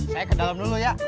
saya ke dalam dulu ya